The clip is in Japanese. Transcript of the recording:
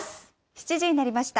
７時になりました。